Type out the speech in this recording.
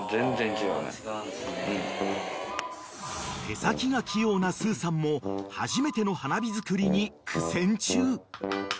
［手先が器用なすーさんも初めての花火作りに］